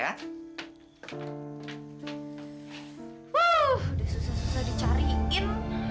udah susah susah dicariin